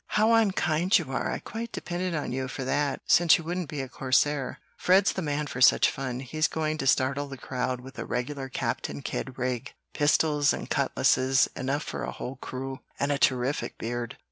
"How unkind you are! I quite depended on you for that, since you wouldn't be a corsair." "Fred's the man for such fun. He's going to startle the crowd with a regular Captain Kidd rig, pistols and cutlasses enough for a whole crew, and a terrific beard."